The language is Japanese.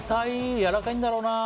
やわらかいんだろうな。